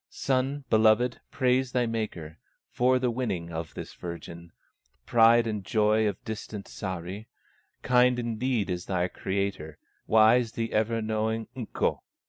"Son beloved, praise thy Maker, For the winning of this virgin, Pride and joy of distant Sahri! Kind indeed is thy Creator, Wise the ever knowing Ukko!